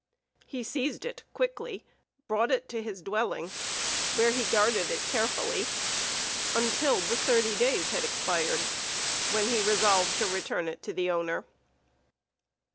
He seized it quickly, brought it to his dwelling, where he guarded it carefully until the thirty days had expired, when he resolved to return it to the owner.